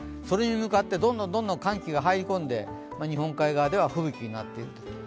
それに向かってどんどん寒気が入り込んで、日本海側では吹雪になっていると。